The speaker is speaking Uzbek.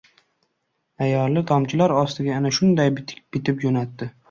Ayoli tomchilar ostiga ana shunday bitik bitib jo‘natdi.